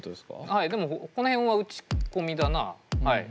はいでもこの辺は打ち込みだな。